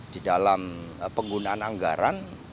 di dalam penggunaan anggaran